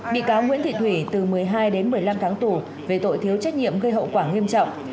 bị cáo nguyễn thị thủy từ một mươi hai đến một mươi năm tháng tù về tội thiếu trách nhiệm gây hậu quả nghiêm trọng